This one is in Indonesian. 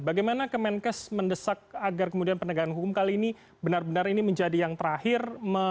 bagaimana kemenkes mendesak agar kemudian penegakan hukum kali ini benar benar ini menjadi yang terakhir